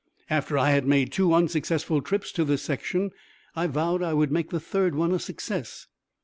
After I had made two unsuccessful trips to this section, I vowed I would make the third one a success.